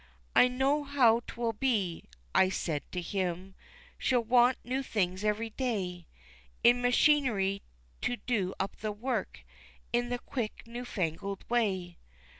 "I know how 'twill be," I said to him, She'll want new things every day In machinery, to do up the work In the quick new fangled way.